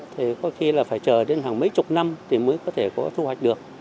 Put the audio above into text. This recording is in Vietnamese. thì có khi là phải chờ đến hàng mấy chục năm thì mới có thể có thu hoạch được